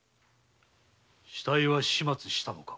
死体は始末したのか？